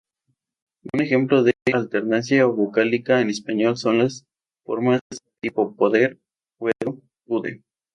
Un ejemplo de alternancia vocálica en español son las formas tipo poder, puedo, pude.